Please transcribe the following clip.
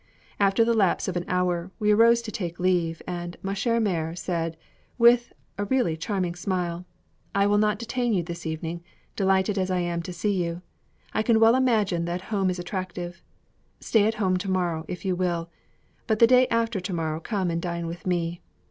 After the lapse of an hour, we arose to take leave, and ma chère mère said, with a really charming smile, "I will not detain you this evening, delighted as I am to see you. I can well imagine that home is attractive. Stay at home to morrow, if you will; but the day after to morrow come and dine with me.